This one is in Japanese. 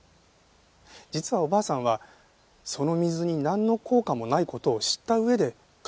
実はおばあさんはその水になんの効果もない事を知った上で買っていたんです。